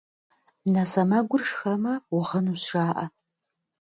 Нэ сэмэгур шхэмэ, угъынущ, жаӏэ.